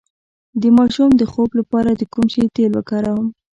د ماشوم د خوب لپاره د کوم شي تېل وکاروم؟